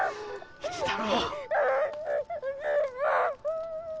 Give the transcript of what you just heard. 一太郎？